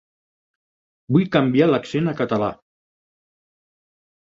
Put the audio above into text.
Vull canviar l'accent a català.